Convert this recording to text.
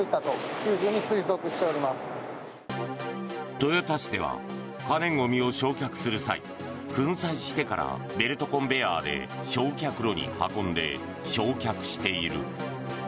豊田市では可燃ゴミを焼却する際粉砕してからベルトコンベヤーで焼却炉に運んで焼却している。